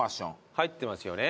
入ってますよね。